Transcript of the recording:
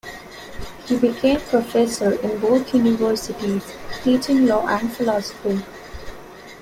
He became professor in both universities teaching law and philosophy.